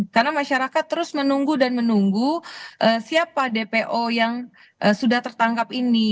karena masyarakat terus menunggu dan menunggu siapa dpo yang sudah tertangkap ini